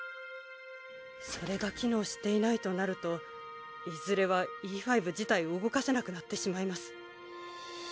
それが機能していないとなるといずれはＥ５自体を動かせなくなってしまいます。